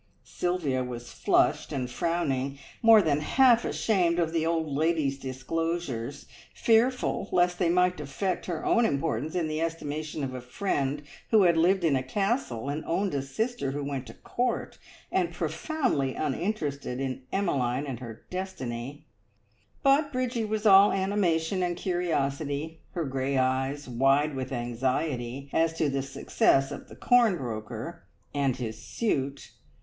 Sylvia was flushed and frowning, more than half ashamed of the old lady's disclosures, fearful lest they might affect her own importance in the estimation of a friend who had lived in a Castle, and owned a sister who went to Court, and profoundly uninterested in Emmeline and her destiny; but Bridgie was all animation and curiosity, her grey eyes wide with anxiety as to the success of the corn broker and his suit.